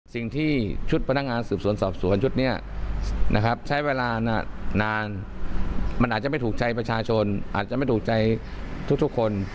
สิ่งที่ชุดพนักงานสืบสวนสอบสวนชุดนี้นะครับใช้เวลานานมันอาจจะไม่ถูกใจประชาชนอาจจะไม่ถูกใจทุกคน